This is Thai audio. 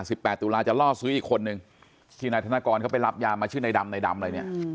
แปดตุลาจะล่อซื้ออีกคนนึงที่นายธนกรเขาไปรับยามาชื่อในดำในดำอะไรเนี่ย